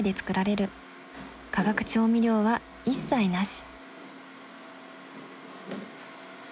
化学調味料は一切なし。